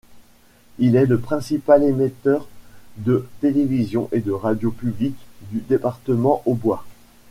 Il est le principal émetteur de télévision et de radio publique du département aubois.